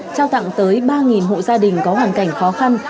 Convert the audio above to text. trao tặng tới ba hộ gia đình có hoàn cảnh khó khăn